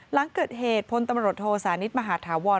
หลังเกิดเหตุพลตำรวจโทสานิทมหาธาวร